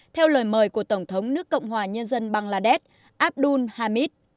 theo lời mời của tổng thống nước cộng hòa nhân dân bangladesh abdul hamid